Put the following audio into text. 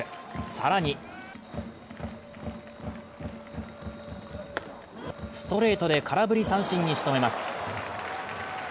更にストレートで空振り三振にしとめます。